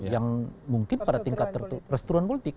yang mungkin pada tingkat restruan politik